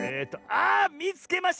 あみつけました！